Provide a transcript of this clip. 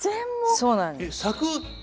そうなんです。